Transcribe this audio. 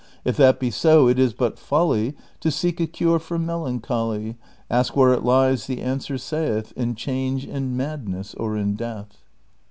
If that be so, it is but folly To seek a cure for melancholy : Ask Avhere it lies ; the answer saith In Change, in Madness, or in Death.